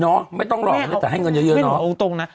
นอกไม่ต้องรอแต่ให้เงินเยอะนอกน้องตรงนะ